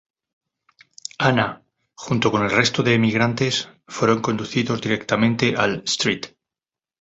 Anna, junto con el resto de emigrantes, fueron conducidos directamente al St.